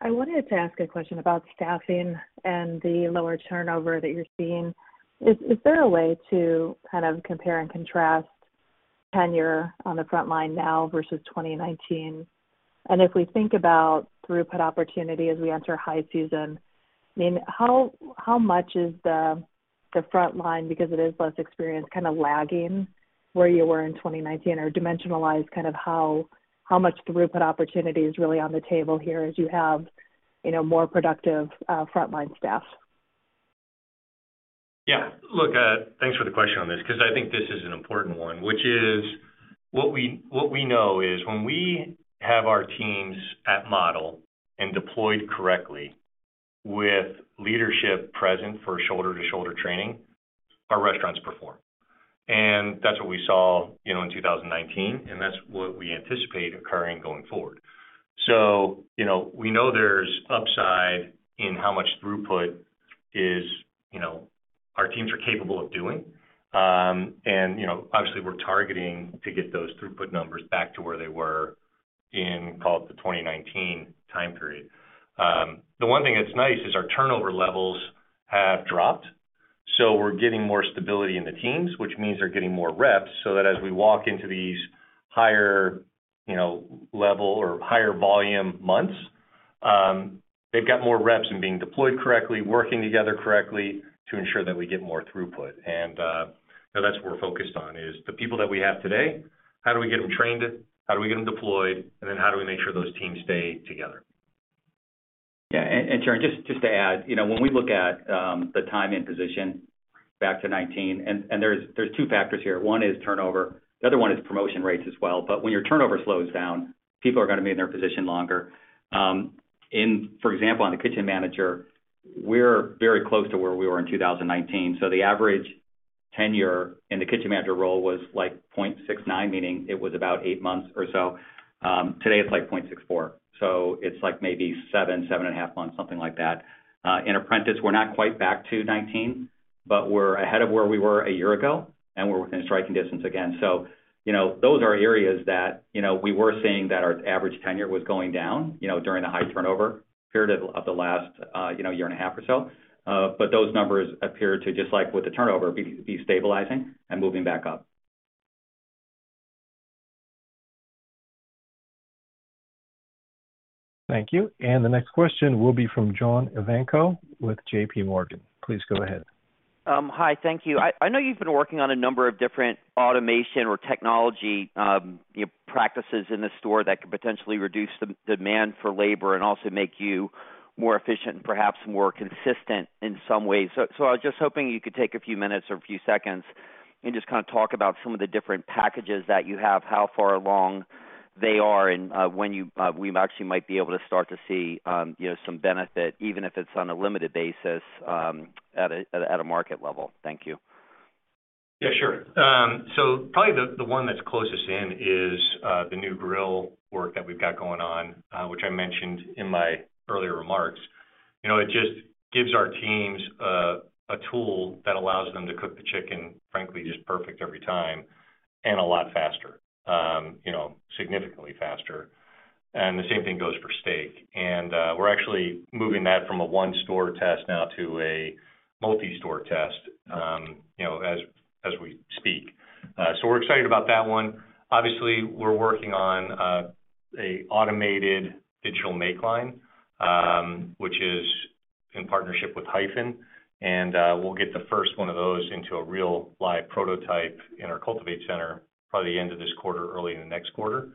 I wanted to ask a question about staffing and the lower turnover that you're seeing. Is there a way to kind of compare and contrast tenure on the frontline now versus 2019? If we think about throughput opportunity as we enter high season, I mean, how much is the frontline, because it is less experienced, kind of lagging where you were in 2019 or dimensionalize kind of how much throughput opportunity is really on the table here as you have, you know, more productive frontline staff? Yeah. Look, thanks for the question on this because I think this is an important one, which is what we, what we know is when we have our teams at model and deployed correctly with leadership present for shoulder-to-shoulder training, our restaurants perform. That's what we saw, you know, in 2019, and that's what we anticipate occurring going forward. You know, we know there's upside in how much throughput is, you know, our teams are capable of doing. You know, obviously, we're targeting to get those throughput numbers back to where they were in, call it, the 2019 time period. The one thing that's nice is our turnover levels have dropped, so we're getting more stability in the teams, which means they're getting more reps, so that as we walk into these higher, you know, level or higher volume months, they've got more reps and being deployed correctly, working together correctly to ensure that we get more throughput. So that's what we're focused on, is the people that we have today, how do we get them trained, how do we get them deployed, and then how do we make sure those teams stay together. Yeah. Sharon, just to add, you know, when we look at the time and position back to 19, and there's 2 factors here. 1 is turnover, the other 1 is promotion rates as well. When your turnover slows down, people are gonna be in their position longer. In, for example, on the kitchen manager, we're very close to where we were in 2019. The average tenure in the kitchen manager role was like 0.69, meaning it was about eight months or so. Today it's like 0.64. It's like maybe seven, seven and a half months, something like that. In apprentice, we're not quite back to 2019, but we're ahead of where we were a year ago, and we're within striking distance again. You know, those are areas that, you know, we were seeing that our average tenure was going down, you know, during the high turnover period of the last, you know, year and a half or so. Those numbers appear to just like with the turnover, be stabilizing and moving back up. Thank you. The next question will be from John Ivankoe with JPMorgan. Please go ahead. Hi, thank you. I know you've been working on a number of different automation or technology practices in the store that could potentially reduce the demand for labor and also make you more efficient and perhaps more consistent in some ways. I was just hoping you could take a few minutes or a few seconds and just kind of talk about some of the different packages that you have, how far along they are, and when we actually might be able to start to see, you know, some benefit, even if it's on a limited basis, at a market level. Thank you. Yeah, sure. Probably the one that's closest in is the new grill work that we've got going on, which I mentioned in my earlier remarks. You know, it just gives our teams a tool that allows them to cook the chicken, frankly, just perfect every time and a lot faster, you know, significantly faster. The same thing goes for steak. We're actually moving that from a one store test now to a multi-store test, you know, as we speak. We're excited about that one. Obviously, we're working on a automated digital make line, which is in partnership with Hyphen, and we'll get the first one of those into a real live prototype in our Cultivate Center by the end of this quarter, early in the next quarter.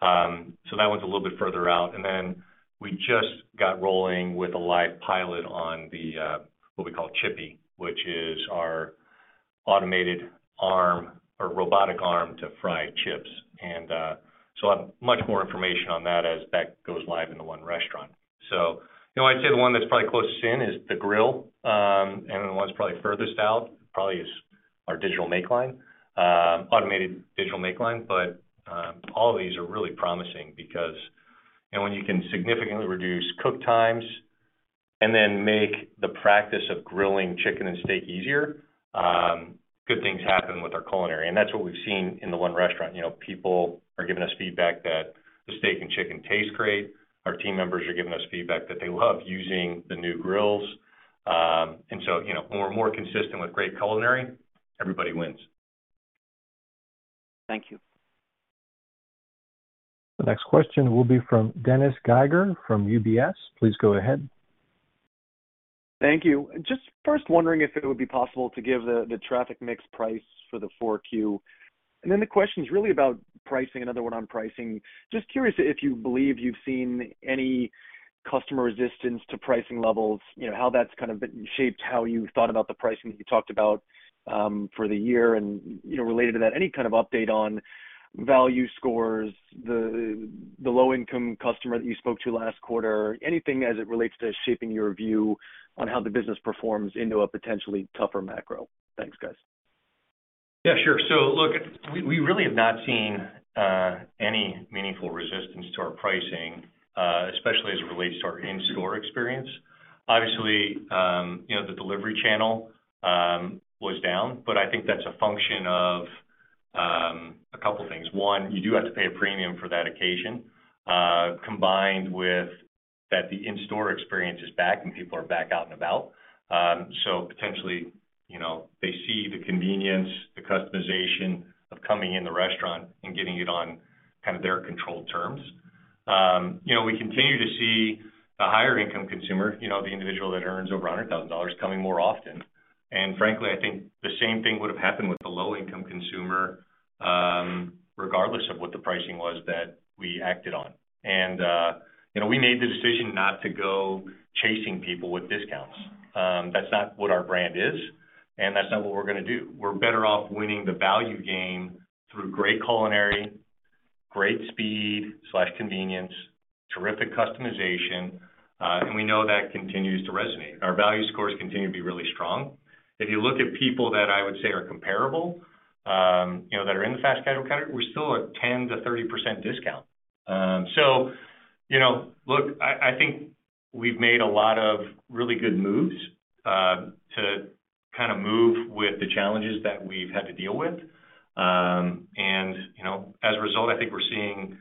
That one's a little bit further out. We just got rolling with a live pilot on the what we call Chippy, which is our automated arm or robotic arm to fry chips. I'll have much more information on that as that goes live in the one restaurant. You know, I'd say the one that's probably closest in is the grill, and the one that's probably furthest out probably is our digital make line, automated digital make line. All of these are really promising because then when you can significantly reduce cook times and then make the practice of grilling chicken and steak easier, good things happen with our culinary. That's what we've seen in the one restaurant. You know, people are giving us feedback that the steak and chicken taste great. Our team members are giving us feedback that they love using the new grills. You know, when we're more consistent with great culinary, everybody wins. Thank you. The next question will be from Dennis Geiger from UBS. Please go ahead. Thank you. Just first wondering if it would be possible to give the traffic mix price for the 4Q. The question is really about pricing, another one on pricing. Just curious if you believe you've seen any customer resistance to pricing levels, you know, how that's kind of been shaped, how you thought about the pricing that you talked about for the year, and, you know, related to that, any kind of update on value scores, the low-income customer that you spoke to last quarter, anything as it relates to shaping your view on how the business performs into a potentially tougher macro. Thanks, guys. Yeah, sure. Look, we really have not seen any meaningful resistance to our pricing, especially as it relates to our in-store experience. Obviously, you know, the delivery channel was down, but I think that's a function of a couple things. One, you do have to pay a premium for that occasion, combined with that the in-store experience is back and people are back out and about. Potentially, you know, they see the convenience, the customization of coming in the restaurant and getting it on kind of their controlled terms. You know, we continue to see the higher income consumer, you know, the individual that earns over $100,000 coming more often. Frankly, I think the same thing would have happened with the low-income consumer, regardless of what the pricing was that we acted on. You know, we made the decision not to go chasing people with discounts. That's not what our brand is, and that's not what we're gonna do. We're better off winning the value game through great culinary, great speed/convenience, terrific customization, and we know that continues to resonate. Our value scores continue to be really strong. If you look at people that I would say are comparable, you know, that are in the fast casual category, we're still at 10%-30% discount. You know, look, I think we've made a lot of really good moves to kind of move with the challenges that we've had to deal with. You know, as a result, I think we're seeing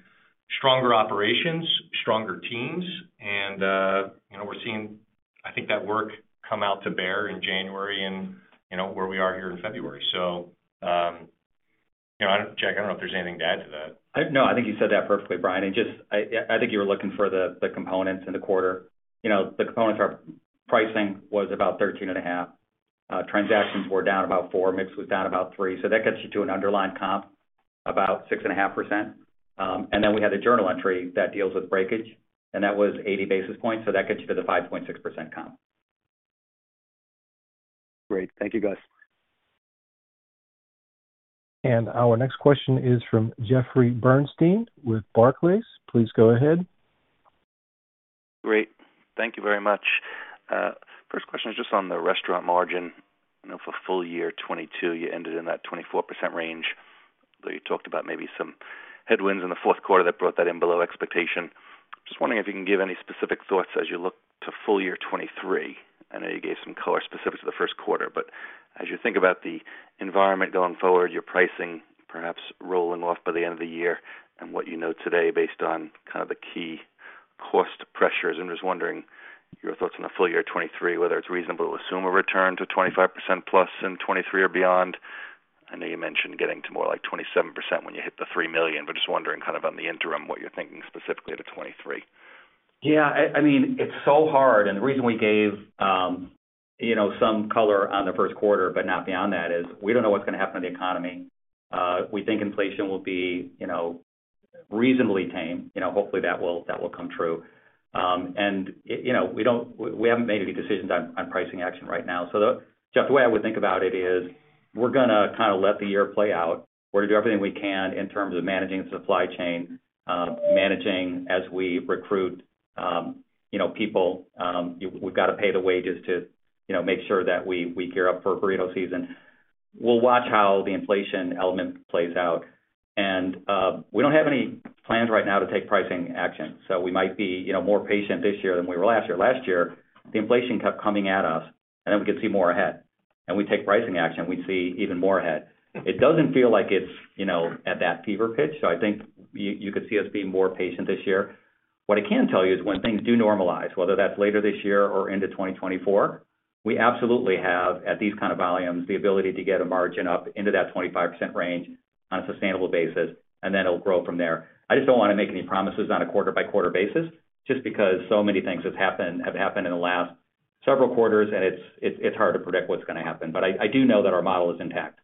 stronger operations, stronger teams, and, you know, we're seeing, I think that work come out to bear in January and, you know, where we are here in February. You know, Jack, I don't know if there's anything to add to that. No, I think you said that perfectly, Brian. Just, I think you were looking for the components in the quarter. You know, the components are pricing was about 13.5. Transactions were down about four. Mix was down about three. That gets you to an underlying comp about 6.5%. We had a journal entry that deals with breakage, and that was 80 basis points. That gets you to the 5.6% comp. Great. Thank you, guys. Our next question is from Jeffrey Bernstein with Barclays. Please go ahead. Great. Thank you very much. First question is just on the restaurant margin. You know, for full year 2022, you ended in that 24% range, though you talked about maybe some headwinds in the Q4 that brought that in below expectation. Just wondering if you can give any specific thoughts as you look to full year 2023. I know you gave some color specific to the Q1, but as you think about the environment going forward, your pricing perhaps rolling off by the end of the year and what you know today based on kind of the key cost pressures, and was wondering your thoughts on the full year 2023, whether it's reasonable to assume a return to 25% plus in 2023 or beyond. I know you mentioned getting to more like 27% when you hit the $3 million, just wondering kind of on the interim, what you're thinking specifically to 2023. Yeah, I mean, it's so hard. The reason we gave, you know, some color on the Q1 but not beyond that is we don't know what's gonna happen to the economy. We think inflation will be, you know, reasonably tame. You know, hopefully that will, that will come true. It. You know, we haven't made any decisions on pricing action right now. Jeff, the way I would think about it is we're gonna kind of let the year play out. We're gonna do everything we can in terms of managing the supply chain, managing as we recruit, you know, people. We've gotta pay the wages to, you know, make sure that we gear up for burrito season. We'll watch how the inflation element plays out. We don't have any plans right now to take pricing action, so we might be, you know, more patient this year than we were last year. Last year, the inflation kept coming at us, and then we could see more ahead. We take pricing action, we'd see even more ahead. It doesn't feel like it's, you know, at that fever pitch, so I think you could see us being more patient this year. What I can tell you is when things do normalize, whether that's later this year or into 2024, we absolutely have, at these kind of volumes, the ability to get a margin up into that 25% range on a sustainable basis, and then it'll grow from there. I just don't wanna make any promises on a quarter-by-quarter basis, just because so many things have happened in the last several quarters, and it's hard to predict what's gonna happen. I do know that our model is intact.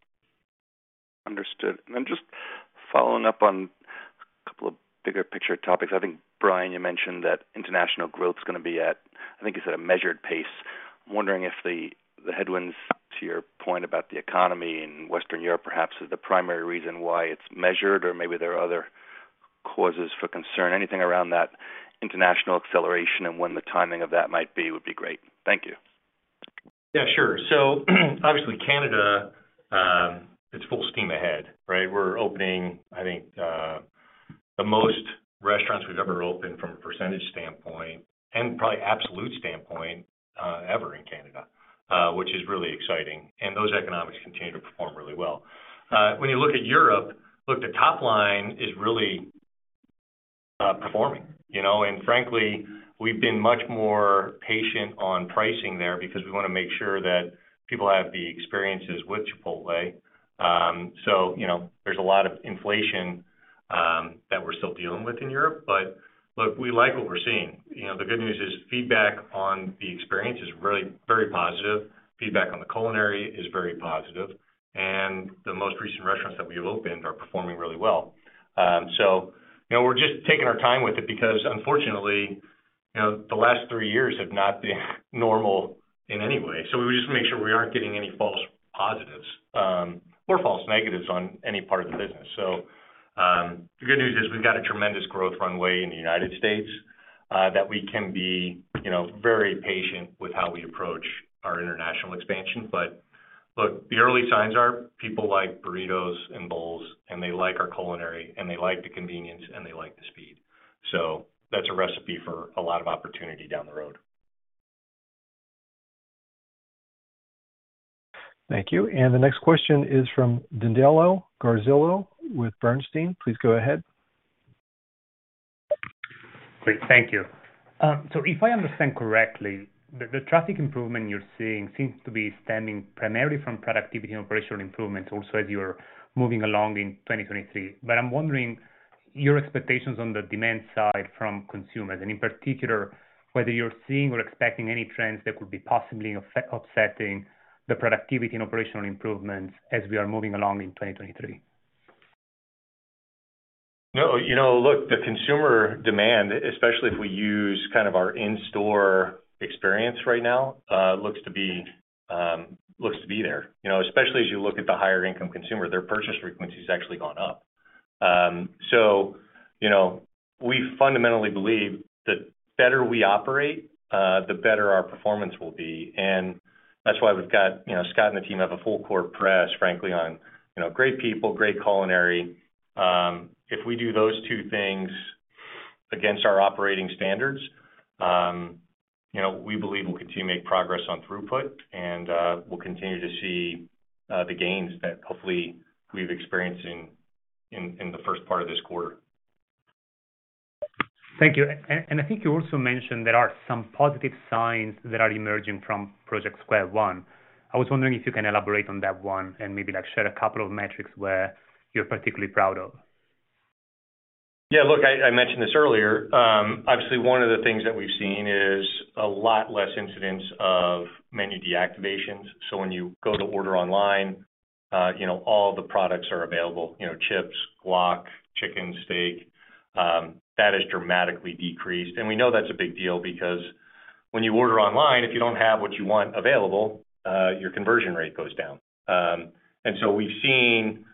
Understood. Just following up on a couple of bigger picture topics. I think, Brian, you mentioned that international growth's gonna be at, I think you said, a measured pace. I'm wondering if the headwinds, to your point about the economy in Western Europe perhaps, is the primary reason why it's measured or maybe there are other causes for concern. Anything around that international acceleration and when the timing of that might be would be great. Thank you. Yeah, sure. Obviously, Canada, it's full steam ahead, right? We're opening, I think, the most restaurants we've ever opened from a percentage standpoint and probably absolute standpoint, ever in Canada, which is really exciting. Those economics continue to perform really well. When you look at Europe, look, the top line is really performing, you know. Frankly, we've been much more patient on pricing there because we wanna make sure that people have the experiences with Chipotle. You know, there's a lot of inflation that we're still dealing with in Europe. Look, we like what we're seeing. You know, the good news is feedback on the experience is really very positive. Feedback on the culinary is very positive. The most recent restaurants that we've opened are performing really well. You know, we're just taking our time with it because, unfortunately, you know, the last 3 years have not been normal in any way. We just wanna make sure we aren't getting any false positives or false negatives on any part of the business. The good news is we've got a tremendous growth runway in the United States, that we can be, you know, very patient with how we approach our international expansion. Look, the early signs are people like burritos and bowls, and they like our culinary, and they like the convenience, and they like the speed. That's a recipe for a lot of opportunity down the road. Thank you. The next question is from Danilo Gargiulo with Bernstein. Please go ahead. Great. Thank you. If I understand correctly, the traffic improvement you're seeing seems to be stemming primarily from productivity and operational improvements also as you're moving along in 2023. I'm wondering your expectations on the demand side from consumers and, in particular, whether you're seeing or expecting any trends that could be possibly offsetting the productivity and operational improvements as we are moving along in 2023. No. You know, look, the consumer demand, especially if we use kind of our in-store experience right now, looks to be, looks to be there. You know, especially as you look at the higher income consumer, their purchase frequency has actually gone up. You know, we fundamentally believe the better we operate, the better our performance will be. That's why we've got, you know, Scott and the team have a full court press, frankly, on, you know, great people, great culinary. If we do those two things against our operating standards, you know, we believe we'll continue to make progress on throughput and we'll continue to see, the gains that hopefully we're experiencing in the first part of this quarter. Thank you. I think you also mentioned there are some positive signs that are emerging from Project Square One. I was wondering if you can elaborate on that one and maybe, like, share a couple of metrics where you're particularly proud of? Yeah. Look, I mentioned this earlier. Obviously one of the things that we've seen is a lot less incidents of menu deactivations. When you go to order online, you know, all the products are available, you know, chips, guac, chicken, steak, that has dramatically decreased. We know that's a big deal because when you order online, if you don't have what you want available, your conversion rate goes down. We've seen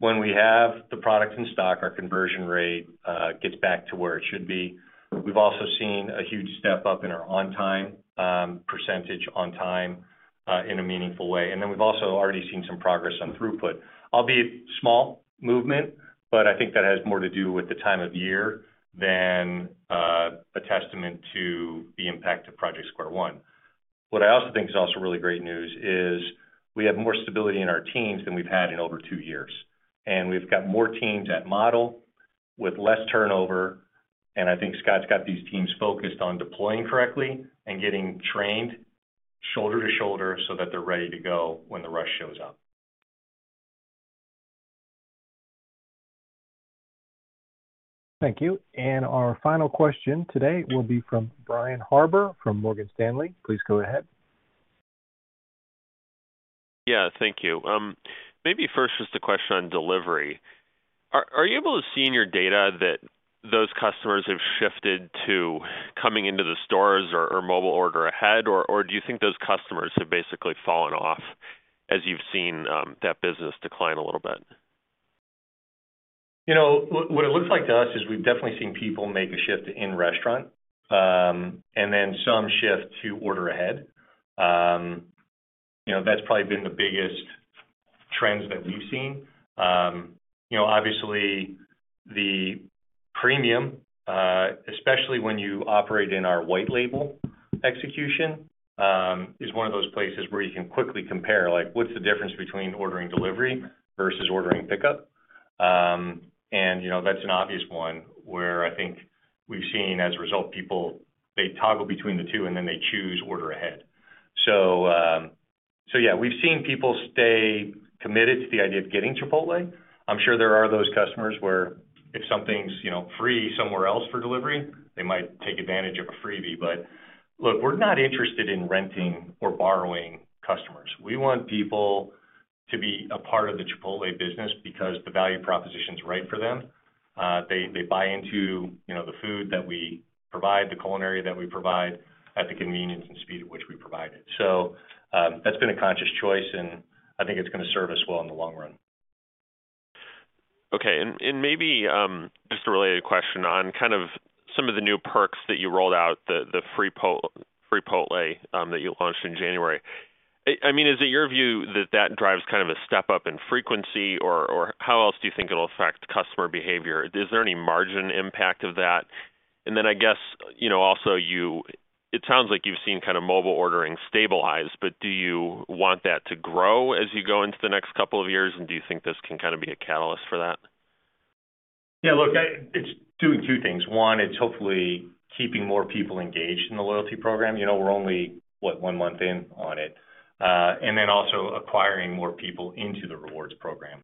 when we have the products in stock, our conversion rate gets back to where it should be. We've also seen a huge step up in our on time, percentage on time, in a meaningful way. We've also already seen some progress on throughput, albeit small movement, but I think that has more to do with the time of year than a testament to the impact of Project Square One. What I also think is also really great news is we have more stability in our teams than we've had in over two years. We've got more teams at model with less turnover, and I think Scott's got these teams focused on deploying correctly and getting trained shoulder to shoulder so that they're ready to go when the rush shows up. Thank you. Our final question today will be from Brian Harbour from Morgan Stanley. Please go ahead. Yeah, thank you. Maybe first just a question on delivery. Are you able to see in your data that those customers have shifted to coming into the stores or mobile order ahead? Do you think those customers have basically fallen off as you've seen that business decline a little bit? You know, what it looks like to us is we've definitely seen people make a shift to in-restaurant, and then some shift to order ahead. You know, that's probably been the biggest trends that we've seen. You know, obviously, the premium, especially when you operate in our white label execution, is one of those places where you can quickly compare, like, what's the difference between ordering delivery versus ordering pickup. You know, that's an obvious one where I think we've seen, as a result, people, they toggle between the two, and then they choose order ahead. Yeah, we've seen people stay committed to the idea of getting Chipotle. I'm sure there are those customers where if something's, you know, free somewhere else for delivery, they might take advantage of a freebie. Look, we're not interested in renting or borrowing customers. We want people to be a part of the Chipotle business because the value proposition's right for them. They, they buy into, you know, the food that we provide, the culinary that we provide at the convenience and speed at which we provide it. That's been a conscious choice, and I think it's gonna serve us well in the long run. Okay. maybe just a related question on kind of some of the new perks that you rolled out, Freepotle that you launched in January. I mean, is it your view that that drives kind of a step up in frequency? Or how else do you think it'll affect customer behavior? Is there any margin impact of that? I guess, you know, also it sounds like you've seen kind of mobile ordering stabilize, but do you want that to grow as you go into the next couple of years, and do you think this can kind of be a catalyst for that? Yeah. Look, it's doing two things. One, it's hopefully keeping more people engaged in the loyalty program. You know, we're only, what, one month in on it. Also acquiring more people into the rewards program.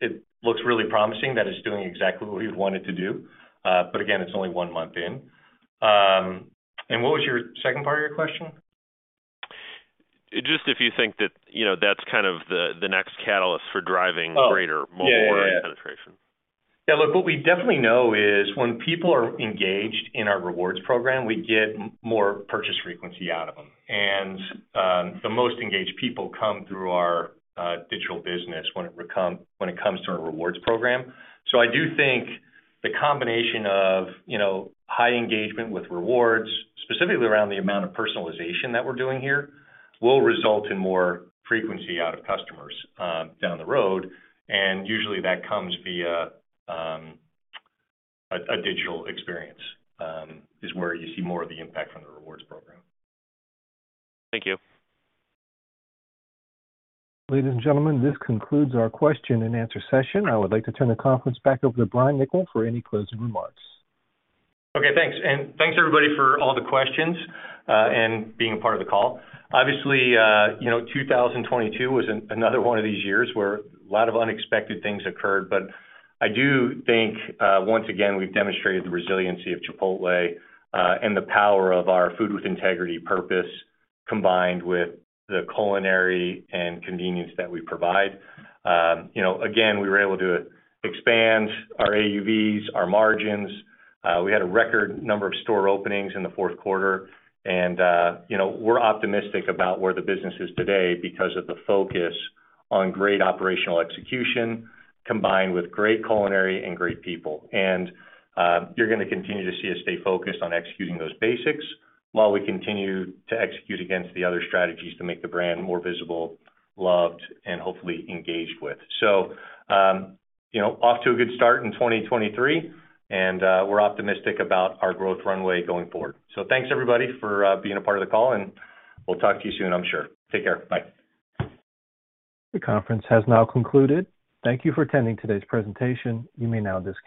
It looks really promising that it's doing exactly what we want it to do. Again, it's only one month in. What was your second part of your question? Just if you think that, you know, that's kind of the next catalyst for. Oh. greater mobile ordering penetration. Yeah. Yeah. Yeah. Look, what we definitely know is when people are engaged in our Rewards program, we get more purchase frequency out of them. The most engaged people come through our digital business when it comes to our Rewards program. I do think the combination of, you know, high engagement with Rewards, specifically around the amount of personalization that we're doing here, will result in more frequency out of customers down the road. Usually that comes via a digital experience is where you see more of the impact from the Rewards program. Thank you. Ladies and gentlemen, this concludes our question and answer session. I would like to turn the conference back over to Brian Niccol for any closing remarks. Okay, thanks. Thanks everybody for all the questions and being a part of the call. Obviously, you know, 2022 was another one of these years where a lot of unexpected things occurred. I do think, once again, we've demonstrated the resiliency of Chipotle and the power of our food with integrity purpose, combined with the culinary and convenience that we provide. You know, again, we were able to expand our AUVs, our margins. We had a record number of store openings in the Q4. You know, we're optimistic about where the business is today because of the focus on great operational execution combined with great culinary and great people. You're gonna continue to see us stay focused on executing those basics while we continue to execute against the other strategies to make the brand more visible, loved, and hopefully engaged with. You know, off to a good start in 2023, and we're optimistic about our growth runway going forward. Thanks everybody for being a part of the call, and we'll talk to you soon, I'm sure. Take care. Bye. The conference has now concluded. Thank you for attending today's presentation. You may now disconnect.